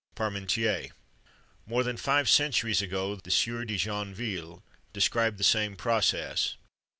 PARMENTIER. More than five centuries ago the Sieur de Joinville described the same process.